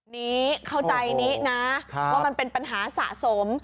นี้เข้าใจนี้นะว่ามันเป็นปัญหาสะสม